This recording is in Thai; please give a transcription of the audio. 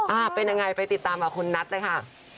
อ้าวเป็นอย่างไรไปติดตามคุณนัทนะคะ